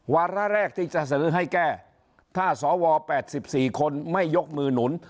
วาระแรกที่จะเสนอให้แก้ถ้าสว๘๔คนไม่ยกมือหนุน